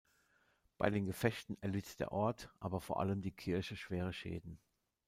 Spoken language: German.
Bei den Gefechten erlitt der Ort, aber vor allem die Kirche schwere Schäden.